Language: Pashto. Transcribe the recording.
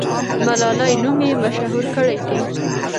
ملالۍ نوم یې مشهور کړی دی.